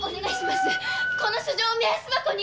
この書状を目安箱に！